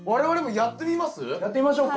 やってみましょうか。